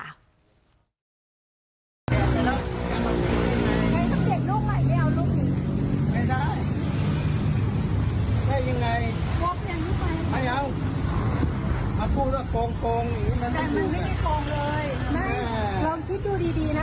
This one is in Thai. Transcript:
เอามาตรงนี้แสดงมันมันหายไปหน่อยภูมิหนึ่ง